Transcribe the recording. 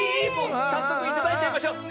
さっそくいただいちゃいましょ。ね！